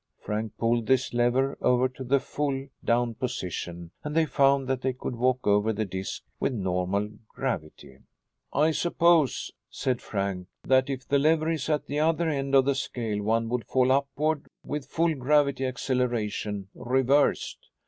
Frank pulled this lever over to the full "Down" position and they found that they could walk over the disc with normal gravity. "I suppose," said Frank, "that if the lever is at the other end of the scale one would fall upward with full gravity acceleration reversed.